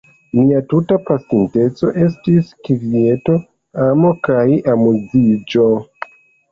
Mia tuta pasinteco estis kvieto, amo kaj amuziĝo.